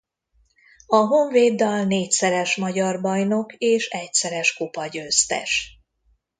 A Honvéddal négyszeres magyar bajnok és egyszeres kupagyőztes.